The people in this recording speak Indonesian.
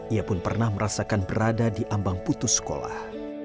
ia pun pernah merasakan berada di ambang putus sekolah